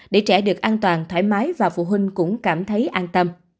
để trẻ được an toàn thoải mái và phụ huynh cũng cảm thấy an tâm